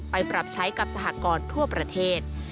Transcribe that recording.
ปรับใช้กับสหกรณ์ทั่วประเทศ